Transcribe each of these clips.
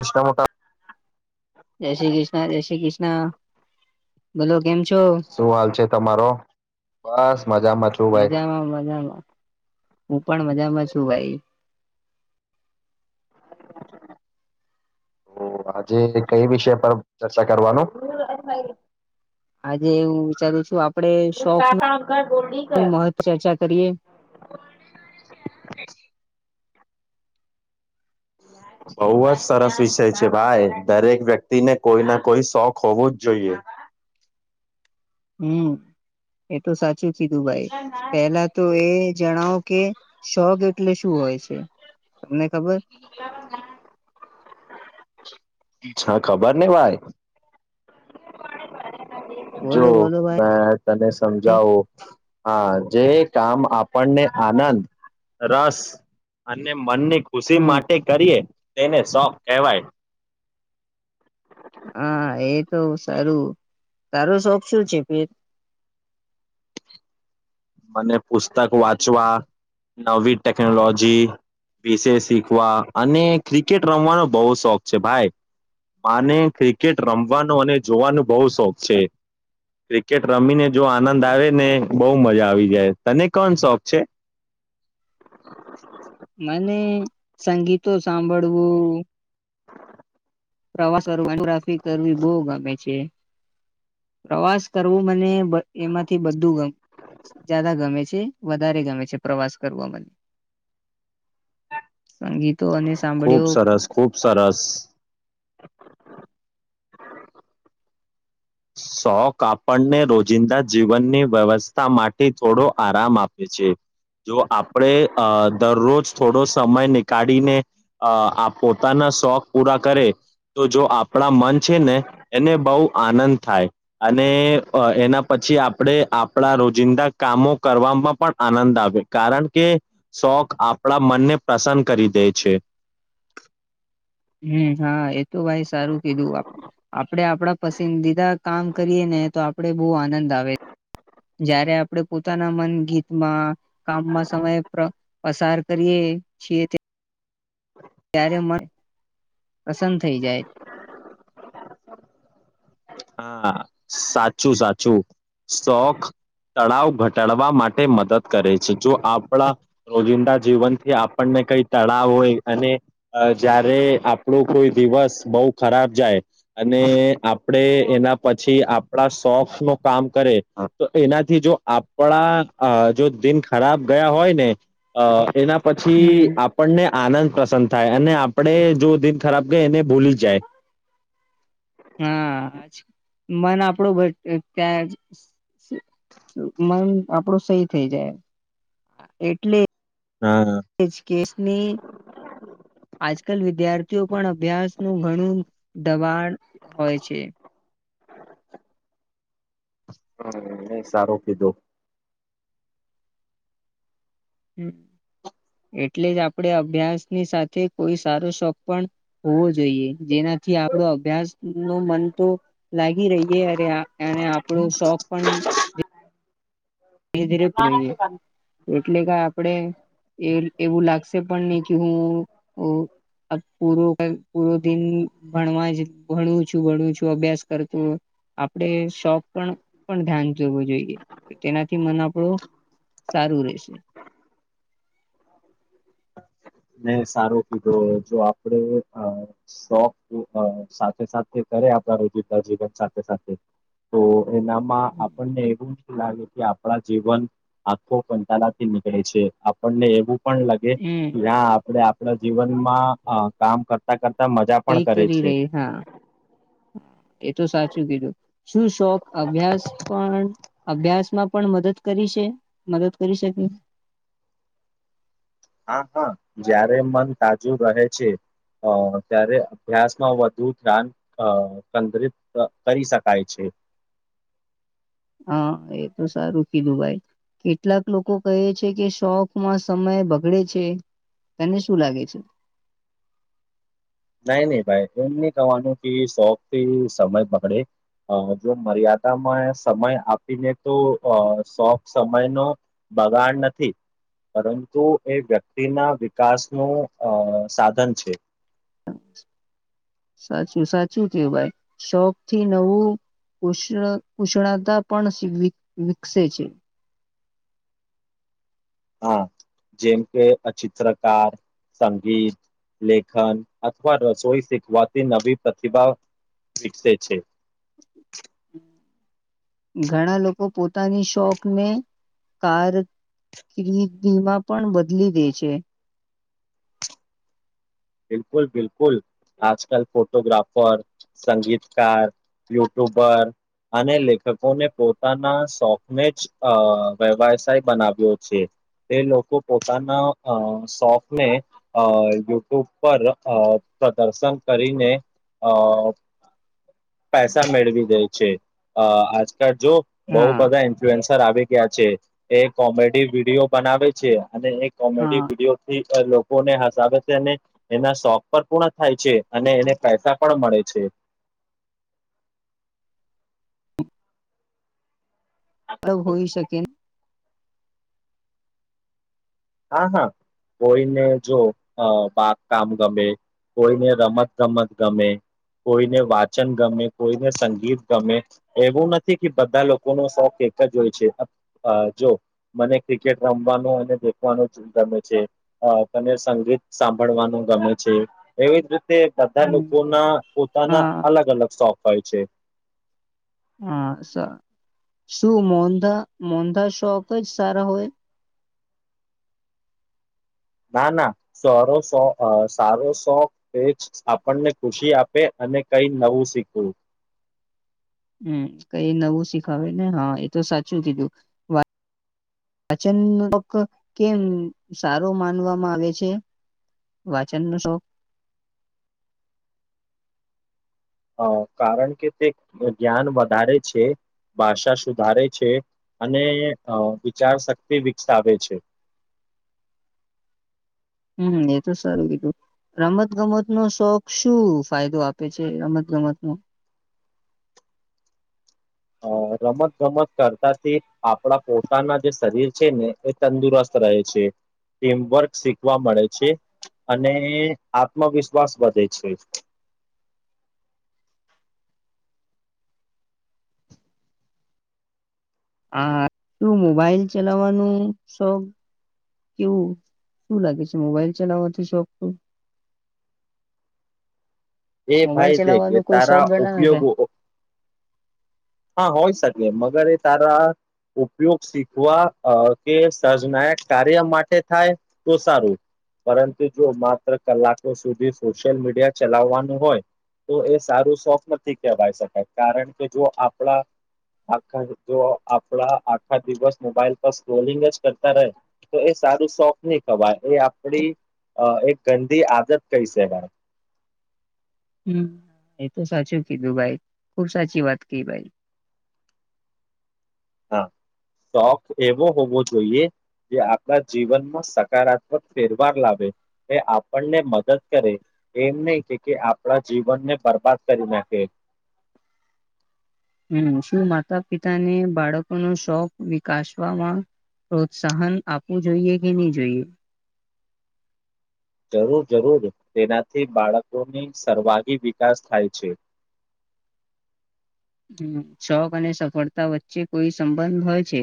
દ કમ ક જય શ્રી કૃષ્ણ જય શ્રી કૃષ્ણ ગલો ગેમ શું હાલ છે તમારો બસ મજામાં છું ભાઈ મજામાં મજામાં હું પણ મજામાં છું ભાઈ [inaudible] તો આજે કઈ વિષય પર ચર્ચા કરવાનું આજે હું વિચારું છું આપડે શોખુનુ મહવ ચર્ચા કરીએ [inaudible] [inaudible] બોવ જ સરસ વિષય છે ભાઈ દરેક વ્યક્તિને કોઈ ના કોઈ શોખ હોવું જ જોઈએ [inaudible] હમ એ તો સાચી સીધુભાઈ પેલા તો એ જણાવો કે શોગ એટલે શું હોય છે અને [inaudible] છ ખબર ની ભાઈ જો બોલો બોલો બે તને ભાઈ સમજાવુ. હા, જે કામ આપણને આનંદ રસ અને મનની ખુશી હમ માટે કરીએ તેને શોખ કહેવાય. હા એ તો સારું તારો શોખ શું છે ફેર મને પુસ્તક વાંચવા નવી ટેકનોલોજી વિશે શીખવા અને ક્રિકેટ રમવાનો બોવ શોખ છે ભાઈ. માને ક્રિકેટ રમવાનું અને જોવાનું બહુ શોખ છે. ક્રિકેટ રમીને જો આનંદ આવે ને બહુ મજા આવી જાય તને કોણ શોખ છે? મને સંગીતો સાંભળવું પ્રવાસ કરવા ગ્રાફી કરવી બહુ ગમે છે. પ્રવાસ કરવું મને બ એમાથી બધું ગ જ્યાદા ગમે છે. વધારે ગમે છે પ્રવાસ કરવામાં સંગીતો અને ખુબ સાંભળ્યો સરસ પણ ખુબ સરસ [inaudible] શોખ આપણને રોજિંદા જીવનની વ્યવસ્થા માટે થોડો આરામ આપે છે. જો આપણેે અ દરરોજ થોડો સમય નીકાળીને અ આ પોતાના શોખ પૂરા કરે તો જો આપણા મન છે ને એને બહુ આનંદ થાય અને એના પછી આપણેે આપણા રોજિંદા કામો કરવામાં પણ આનંદ આવે કારણ કે શોખ આપણા મનને પ્રસન્ન કરી દે છે. [inaudible] હમ હા એ તો ભાઈ સારું કીધું આપડે આપડા પસંદીદા કામ કરીએ ને તો આપડે બહુ આનંદ આવે જયારે આપણે પોતાના મન ગીતમાં કામમાં સમય પર પસાર કરીએ છીએ ત્યારે મન પ્રસન્ન થઈ જાય હા સાચું સાચું શોખ તળાવ ઘટાડવા માટે મદદ કરે છે જો આપણા રોજિંદા જીવનથી આપણને કઈ તળાવ હોય અને અ જયારે આપણો કોઈ દિવસ બોવ ખરાબ જાય અને આપ આપડે એના પછી આપડા સોફ નો કામ કરે તો એનાથી જો આપડા અહ જો દિન ખરાબ ગયા હોય ને અહ એના પછી હમ આપણને આનંદ પ્રસન થાય અને આપડે જો દિન ખરાબ ગય એને ભૂલી જાય હા, આજ મન આપડું [unintelligible] ત્યાંજ મન આપડું સહી થઈ જાય, એટલે હા એજ કેસની આજકાલ વિદ્યાર્થીઓ પણ અભ્યાસ નું ઘણું દબાણ હોય છે. નઈ સારું કીધું હમ્મ. એટલેજ આપડે અભ્યાસની સાથે કોઈ સારો શોખ પણ હોવો જોઈએ, જેના થી આપડો અભ્યાસ નો મન તો લાગી રહીએે અરે અને આપણું શોખ પણ ધીરે ધીરે પૂરો [unintelligible] એટલે કે આપડે એ, એવું લાગશે પણ નઈ કે હું, ઉ પૂરો, કે પૂરો દિન ભણવા ભણું છું, ભણું છું, અભ્યાસ કર તો આપડે શોપ પણ, પણ ધ્યાન જોવું જોઈએ તેનાથી મન આપડું, સારું રહેશે. ને સારો કીધું, જો આપડે અહ શોખ અહ સાથે સાથે કરે આપ રોજિંતા જીવન સાથે સાથે, તો એનામાં આપણને એવું લાગે કે આપડા જીવન, આખો કંટાળાથી નીકળે છે, આપણને એવું પણ લાગે હમ આપડે આપડા જીવનમાં કામ કરતા કરતા મજા પણ કઈ કરે કરી છે રહીએ, હા. હા, એતો સાચું કીધું શું શોખ અભ્યાસ પણ અભ્યાસમાં પણ મદદ કરી છે, મદદ કરી શકે? હા પણ જયારે મન તાજું રહે છે. અહ ત્યારે અભ્યાસમાં વધુ ધ્યાન અહ કેન્દ્રિત કરી શકાય છે. [inaudible] હા, એતો સારું કીધું ભાઈ. કેટલાક લોકો કહે છે કે શોખમાં સમય બગડે છે. તને શું લાગે છે? [inaudible] નઈ નઈ ભાઈ, એમની કવાનું કે શોખ થી સમય બગડે અહ જો મર્યાદામાં સમય આપીને તો શોખ સમય નો બગાડ નથી પરંતુ એ વ્યક્તિના વિકાસનું અહ સાધન છે. સાચું સાચું છે ભાઈ, શોખથી નવું કુષ્ણ કુષ્ણતા પણ વીક વિકસે છે. હા, જેમ કે આ ચિત્રકાર સંગીત, લેખન, અથવા રસોઈ શીખવાતી નવી પ્રતિભા વિકસે છે. [inaudible] ઘણા લોકો પોતાની શોખને કાર [unintelligible] વીમા પણ બદલી દે છે બિલકુલ બિલકુલ, આજ કલ ફોટોગ્રાફર, સંગીતકાર, યુટ્યુબર અને લેખકોને પોતાના શોખનેજ વ્યવસાય બનાવ્યો છે. તે લોકો પોતાના અહ શોખને અહ ઉપર અહ પ્રદર્શન કરીને અહ પૈસા મેળવી દે છે. અહ આજ કરજો બઉ હા બધા ઇન્ફ્લુએન્સર આવી ગયા છે એ કોમેડી વિડીયો બનાવે છે. અને એ કોમેડી હા વિડીયો થી લોકોને હસાવે છે અને એના શોખ પણ પૂર્ણ થાય છે અને એને પૈસા પણ મળે છે. [inaudible] અલગ હોઈ શકે. હા હા કોઈને જો અ બા કામ ગમે. કોઈને રમત ગમત ગમે. કોઈને વાચન ગમે કોઈને સંગીત ગમે એવું નથી કે બધા લોકો ને શોખ એ એકજ હોય છે અ જો મને ક્રિકેટ રમવાનો અને [unintelligible] ગમે છે તને સંગીત સાંભળવાનું ગમે છે એવી જ રી તે બધા હમ લોકો ના પોતાના હા અલગ અલગ શોખ હોય છે. હા સ શું મોંધા મોંધા શોખ જ સારા હોય. [inaudible] ના ના સારો અ સારો સોખ આપણને ખુશી આપે. અને કંઈ નવું શીખવું. હમ કઈ નવું શીખાવે ને હા એ તો સાચું કીધું વા પાચનક કેમ સારો માનવામાં આવે છે. વાચન નો શોખ. [inaudible] હ કારણ કે તે જ્ઞાન વધારે છે. ભાષા સુધારે છે અને અ વિચાર શક્તિ વિકસાવે છે. [inaudible] હમ એ તો સારું કીધું રમત ગમત નો શોખ શું ફાયદો આપે છે રમત ગમતમાં [inaudible] અ રમત ગમત કરતાથી આપડા પોતાના જે શરીર છે ને એ તંદુરસ્ત તરહે છે ટીમવર્ક શીખવા મળે છે. અને આત્મવિશ્વાસ વધે છે. [inaudible] આ શું મોબાઈલ ચલાવવાનું શોખ કેવું શું લાગે છે મોબાઈલ ચલાવાથી શોખ પૂ એ મોબાઈલ ભાઈ છે કે ચલાવવાનો કોઈ તારા શોખ ગણાવે કે ઉપયોગો હા હોય સક કે મગર એ તારા ઉપયોગ શીખવા અ કે સર્જનાયક કાર્ય માટે થાય તો સારું. પરંતુ જો માત્ર કલાકો સુધી સોશિયલ મીડિયા ચલાવવાન હોય તો એ સારું સોફ નથી કેહેવાય શકાય કારણ કે જો આપડા આખ જો આપડા આખા દિવસ મોબાઈલ પર સ્રોલિંગ જ કરતા રહે તો એ સારું શોખ નહી ખવાય એ આપડી અ એક ગંદી આદત કઈ શકાય. [inaudible] હમ એ તો સાચું કીધું ભાઈ ખુબ સાચી વાત કી ભાઈ. હા શોખ એવો હોવો જોઈએ. જે આપડા જીવનમાં સકારાત્મક ફેરવાર લાવે એ આપણને મદદ કરે. એમ નહી કે કે આપડા જીવનને બરબાદ કરી નાખે હમ શું માતા પિતાને બાળકોનો શોખ વિકાસવામાં પ્રોત્સાહન આપવું જોઈએ કે ની જોઈએ. જરૂર જરૂર તેનાથી બાળકોની સર્વાગી વિકાસ થાય છે. [inaudible] હમ શોખ અને સફળતા વચ્ચે કોઈ સંબંધ હોય છે.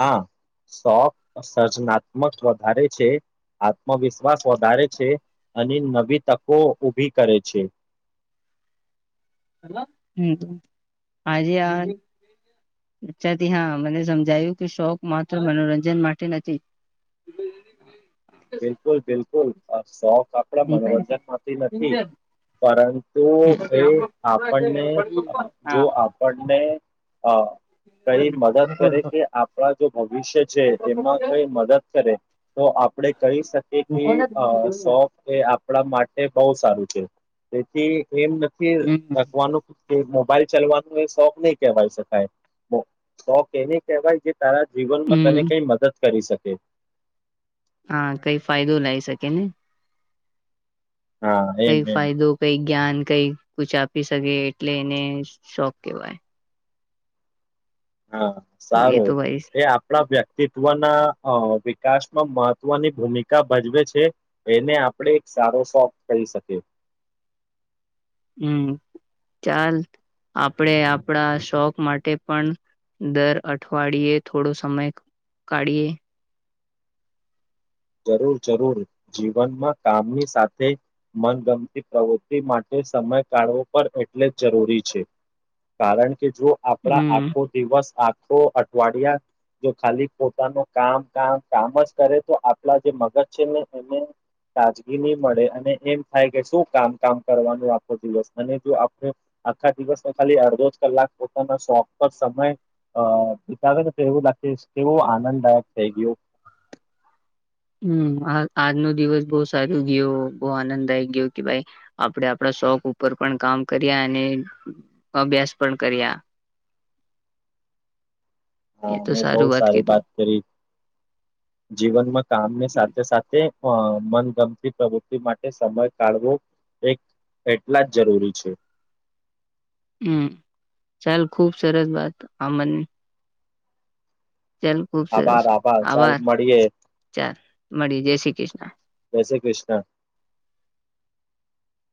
હા. શોખ સર્જનાત્મક વધારે છે આત્મવિશ્વાસ વધારે છે અને નવી તકો ઉભી કરે છે. [inaudible] હમ. આર્યન અચ્છા થી હા મને સમજાયું કે શોખ માત્ર મનોરંજન માટે નથી બિલકુલ બિલકુલ આ સોફ આપડા હા વંજન માંથી નથી. પરંતુ એ આપણને જો આપણને હા. કઈ મદદ કરે કે આપણા જો ભવિષ્ય છે એમાં કઈ મદદ કરે તો આપડે કહી શકીએ કે શોખ અ આપડા માટે બહ સારું છે તેથી એમ નથી લાગતું કે મોબાઈલ ચાલવાનો એ શોખ નહી કહેવાય શકાય શોખ એ ન કહેવાય જે તારા જીવનમાં તને હમ કઈ મદદ કરી શકે. હા કઈ ફાયદો લાવ શકે ને? હા એમ કઈ એમ. ફાયદો કઈક જ્ઞાન કઈ કુછ આપી શકે એટલે એને શોખ કેવાય. હા, એ સારું તો ભાઈ એ આપડા વ્યક્તિત્વ ના અ વિકાસ માં મહત્વની ભૂમિકા ભજવે છે એને આપણેે એક સારો સ શોખ કરી શકે. હમ ચાલ આપડે આપડા શોખ માટે પણ દર અઠવાડિયે થોડો સમય કાઢીએ. જરૂર જરૂર જીવનમાં કામની સાથે મનગમતી પ્રવૃત્તિ માટે સમય કાઢવો પણ એટલે જ જરૂરી છે કારણ કે જો આપડા હમ આખો દિવસ તો અઠવાડિયા જો ખાલી પોતાનું કામ કામ કામ જ કરે તો આ પડા જે મગજ છે ને એને તાજગી નહી મળે અને એમ થાય કે શું કામ કામ કરવાનું આખો દિવસ અને જો આખું આખા દિવસ તો ખાલી અડધો જ કલાક પોતાના શોખ નો સમય અ પિતા [unintelligible] એવું લખીશ કેવું આનંદદાયક થઈ ગયુ. હ આજનો દિવસ બહુ સારું ગયો બઉ આનંદદાયક ગયો કે ભાઈ આપડે આપડા શોખ ઉપ ઉપર પણ કામ કર્યા અને અભ્યાસ પણ કર્યા. હા એ તો મેં બહુ સારું સારી કીધું વાત કરી. જીવનમાં કામ ની સાથે સાથે અ મનગમતી પ્રવૃતિ માટે સમય કાઢવો એક એટલા જ જરૂરી છે. હ ચલ ખુબ સરસ વાત અમન ચાલ ખુબ સરસ આભાર ચાલ આભાર. મળીએે ચાલ મળીએ જય શ્રી કૃષ્ણ. જય [unintelligible]